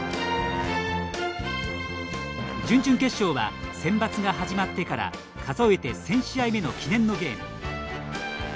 準々決勝はセンバツが始まってから数えて１０００試合目の記念のゲーム。